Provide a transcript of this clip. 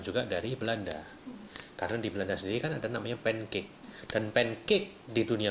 juga dari belanda karena di belanda sendiri kan ada namanya pancake dan pancake di dunia